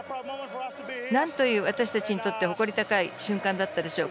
なんという私たちにとって誇り高い瞬間だったでしょう。